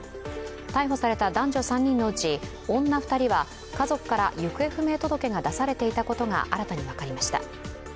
逮捕された男女３人のうち女２人は家族から行方不明届が出されていたことが新たに分かりました。